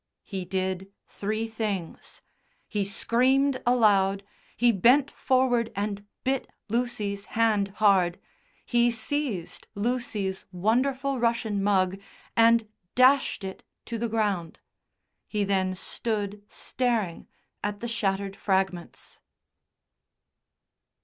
He did three things: He screamed aloud, he bent forward and bit Lucy's hand hard, he seized Lucy's wonderful Russian mug and dashed it to the ground. He then stood staring at the shattered fragments.